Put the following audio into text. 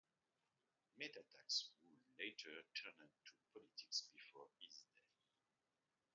Metaxas would later turned to politics before his death.